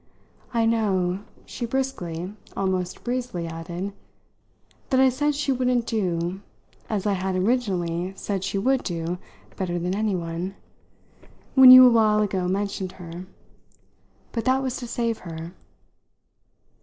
"I know," she briskly, almost breezily added, "that I said she wouldn't do (as I had originally said she would do better than any one), when you a while ago mentioned her. But that was to save her."